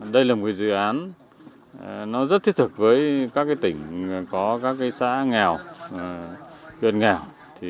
đây là một dự án rất thiết thực với các tỉnh có các xã nghèo gần nghèo